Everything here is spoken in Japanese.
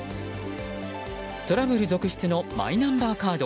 トラブル続出のマイナンバーカード。